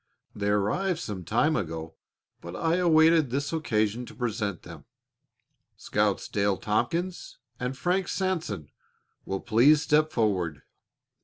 They arrived some time ago, but I awaited this occasion to present them. Scouts Dale Tompkins and Frank Sanson will please step forward."